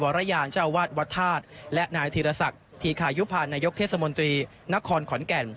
รยานเจ้าวาดวัดธาตุและนายธีรศักดิ์ธีคายุภานายกเทศมนตรีนครขอนแก่น